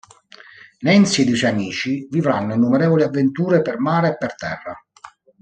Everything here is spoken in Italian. Nancy ed i suoi amici vivranno innumerevoli avventure per mare e per terra.